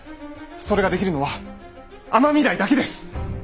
それができるのは尼御台だけです。